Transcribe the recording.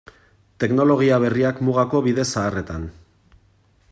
Teknologia berriak mugako bide zaharretan.